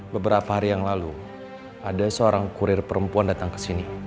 beberapa hari yang lalu ada seorang kurir perempuan datang ke sini